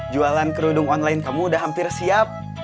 jualan kerudung online kamu udah hampir siap